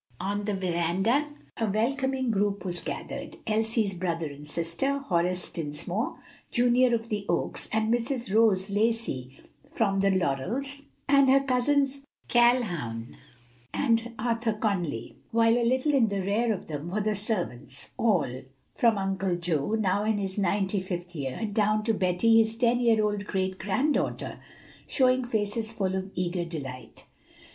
On the veranda a welcoming group was gathered. Elsie's brother and sister Horace Dinsmore, Jr., of the Oaks, and Mrs. Rose Lacey from the Laurels and her cousins Calhoun and Arthur Conly; while a little in the rear of them were the servants, all from old Uncle Joe, now in his ninety fifth year, down to Betty, his ten year old great granddaughter showing faces full of eager delight.